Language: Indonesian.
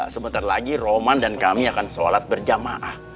sebentar lagi roman dan kami akan sholat berjamaah